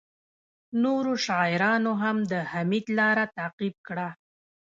نورو شاعرانو هم د حمید لاره تعقیب کړه